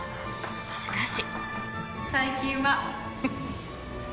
しかし。